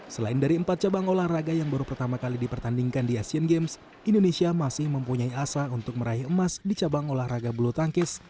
selain dari empat cabang olahraga yang baru pertama kali dipertandingkan di asian games indonesia masih mempunyai asa untuk meraih emas di cabang olahraga bulu tangkis